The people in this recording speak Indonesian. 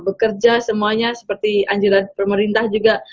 bekerja semuanya seperti anjuran pemerintah juga